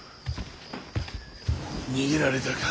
・逃げられたか。